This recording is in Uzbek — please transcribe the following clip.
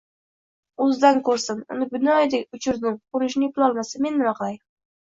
O‘zidan ko‘rsin, uni binoyidek uchirdim, qo‘nishni eplolmasa, men nima qilay?